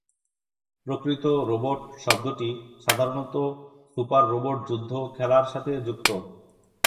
"প্রকৃত রোবট" শব্দটি সাধারণত সুপার রোবট যুদ্ধ খেলার সাথে যুক্ত।